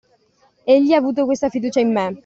Egli ha avuto questa fiducia in me!